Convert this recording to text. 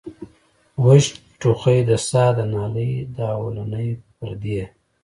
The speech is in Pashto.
وچ ټوخی د ساه د نالۍ د اولنۍ پردې